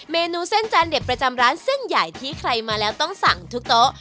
เมนูเส้นจานเด็ดประจำร้านเส้นใหญ่ที่ใครมาแล้วต้องสั่งทุกโต๊ะ